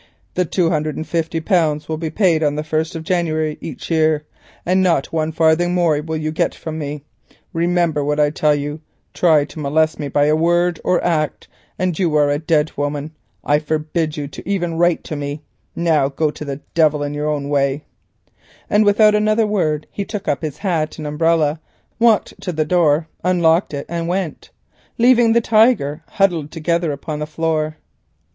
"The two hundred and fifty pounds will be paid on the 1st of January in each year, and not one farthing more will you get from me. Remember what I tell you, try to molest me by word or act, and you are a dead woman; I forbid you even to write to me. Now go to the devil in your own way," and without another word he took up his hat and umbrella, walked to the door, unlocked it and went, leaving the Tiger huddled together upon the floor.